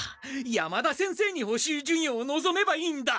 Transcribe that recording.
山田先生に補習授業をのぞめばいいんだ。